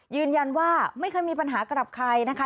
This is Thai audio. ยืนยันว่าไม่เคยมีปัญหากับใครนะคะ